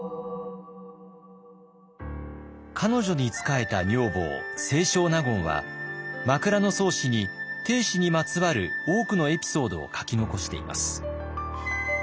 彼女に仕えた女房清少納言は「枕草子」に定子にまつわる多くのエピソードを書き残しています。